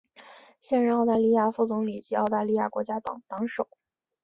现任澳大利亚副总理及澳大利亚国家党党首。